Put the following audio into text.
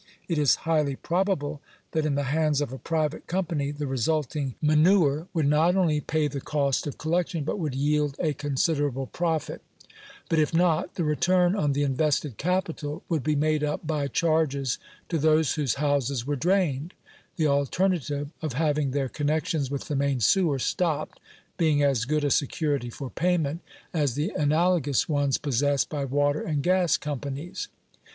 It is highly probable that in the hands of a private company the resulting manure would not only pay the cost of collection, hot would yield a considerable profit But if not, the return on the invested capital would be made up by charges to those whose houses ware drained : the alternative of having their connections with the main sewer stopped, being as good a security for payment a* the analogous ones possessed by water and gas companies.